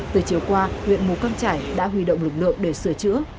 từ chiều qua huyện mù căng trải đã huy động lực lượng để sửa chữa